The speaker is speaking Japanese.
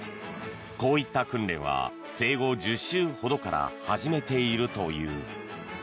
こういった訓練は生後１０週ほどから始めているという。